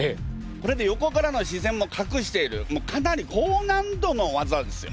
これで横からの視線もかくしているかなり高難度の技ですよ。